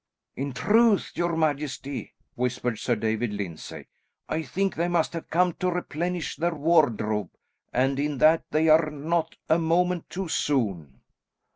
"In truth, your majesty," whispered Sir David Lyndsay, "I think they must have come to replenish their wardrobe, and in that they are not a moment too soon."